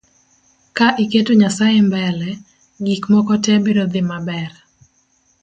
Ka iketo nyasae mbele , gik moko tee biro dhii maber